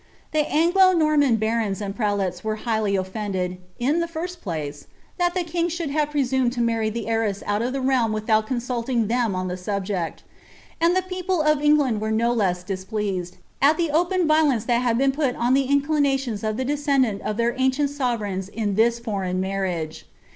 The Anglo Nonnan barons and prelates were highly 'Ti iided, in tlie first place, that the king should hare presumed to marry It' hrirrsa out of the realm without consulting them on the subject; :ui ihr pimple of England were no less displeased, at the open violenca ' 'u\ li:iJ licen put on the inclinations of the descendant of thetr ancient .,,. p. 1^1,, II, iiiig foreign marriage.